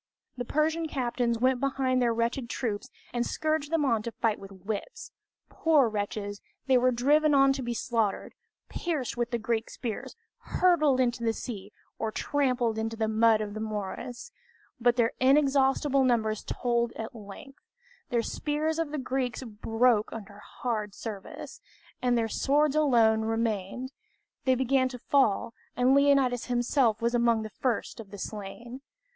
The Persian captains went behind their wretched troops and scourged them on to the fight with whips! Poor wretches, they were driven on to be slaughtered, pierced with the Greek spears, hurled into the sea, or trampled into the mud of the morass; but their inexhaustible numbers told at length. The spears of the Greeks broke under hard service, and their swords alone remained; they began to fall, and Leonidas himself was among the first of the slain.